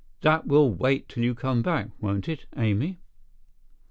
That will wait till you come back, won't it, Amy?"